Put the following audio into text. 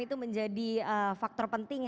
itu menjadi faktor penting